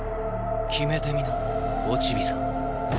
決めてみなおチビさん。